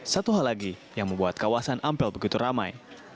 satu hal lagi yang membuat kawasan ampel begitu ramai